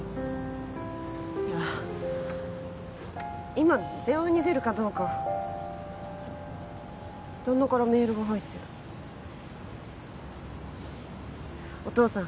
今電話に出るかどうか旦那からメールが入ってるお義父さん